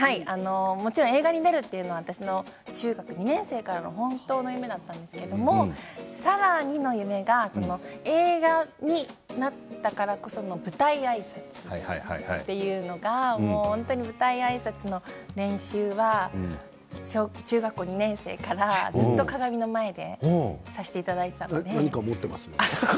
もちろん映画に出るというのは私の中学２年生からの本当の夢だったんですがさらにの夢が映画になったからこその舞台あいさつというのが本当に舞台あいさつの練習は中学校２年生からずっと鏡の前でさせていただいていたので。